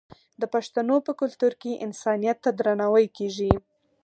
د پښتنو په کلتور کې انسانیت ته درناوی کیږي.